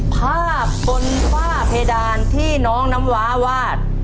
ภาพบนฝ้าเพดานที่น้องน้ำว้าวาด